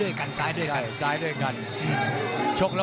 วันนี้เดี่ยงไปคู่แล้วนะพี่ป่านะ